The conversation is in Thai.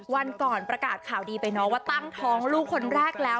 วันก่อนประกาศข่าวดีไปเนาะว่าตั้งท้องลูกคนแรกแล้ว